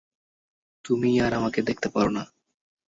তুমিই আর আমাকে দেখতে পারো না।